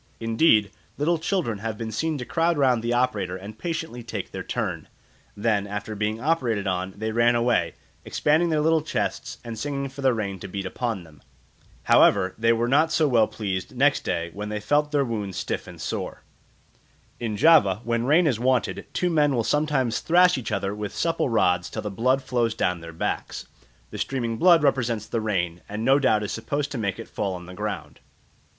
Indeed, little children have been seen to crowd round the operator and patiently take their turn; then after being operated on, they ran away, expanding their little chests and singing for the rain to beat upon them. However, they were not so well pleased next day, when they felt their wounds stiff and sore. In Java, when rain is wanted, two men will sometimes thrash each other with supple rods till the blood flows down their backs; the streaming blood represents the rain, and no doubt is supposed to make it fall on the ground.